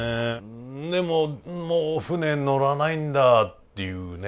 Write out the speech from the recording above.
でももう船乗らないんだっていうね。